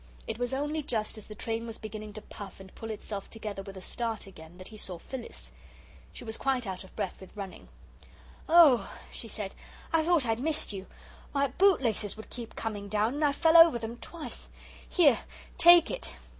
It was only just as the train was beginning to puff and pull itself together to start again that he saw Phyllis. She was quite out of breath with running. "Oh," she said, "I thought I'd missed you. My bootlaces would keep coming down and I fell over them twice. Here, take it."